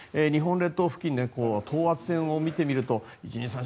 列島付近の等圧線を見てみると１、２、３。